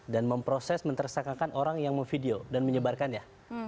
dan memproses mentersakakan orang yang memvideo dan menyebarkannya